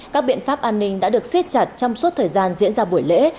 các biện pháp an ninh đã được siết chặt trong suốt thời gian diễn ra buổi lễ